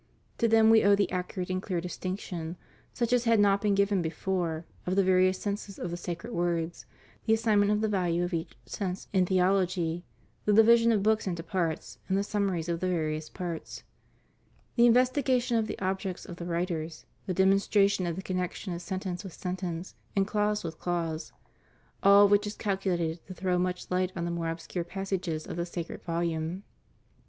To them we owe the accurate and clear distinction, such as had not been given before, of the various senses of the sacred words; the assignment of the value of each "sense" in theology; the division of books into parts, and the summaries of the various parts; the investigation of the objects of the writers; the demonstra tion of the connection of sentence with sentence, and clause with clause; all of which is calculated to throw much light on the more obscure passages of the sacred volume.